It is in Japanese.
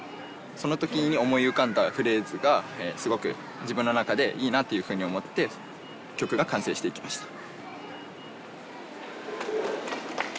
その時に思い浮かんだフレーズがすごく自分の中でいいなっていうふうに思って曲が完成していきました。